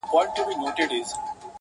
د فتوحاتو یرغلونو او جنګونو کیسې,